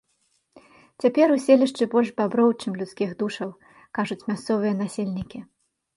Цяпер у селішчы больш баброў, чым людскіх душаў, кажуць мясцовыя насельнікі.